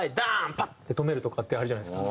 パッて止めるとかってあるじゃないですか。